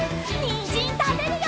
にんじんたべるよ！